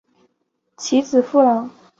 其子苻朗。